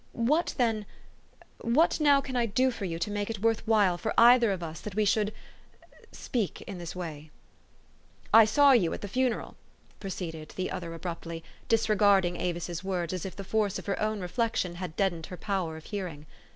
What then what now can I do for you to make it worth while for either of us that we should speak in this way? "" I saw you at the funeral," proceeded the other 298 THE STORY OF AVIS. abruptly, disregarding Avis's words, as if the force of her own reflection had deadened her power of hearing.